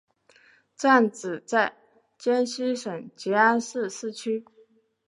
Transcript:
站址在江西省吉安市市区。